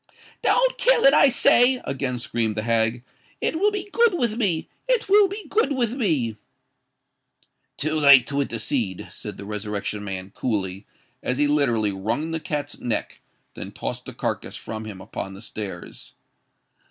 "Don't kill it, I say!" again screamed the hag: "it will be good with me—it will be good with me." "Too late to intercede," said the Resurrection Man, coolly, as he literally wrung the cat's neck: then he tossed the carcass from him upon the stairs.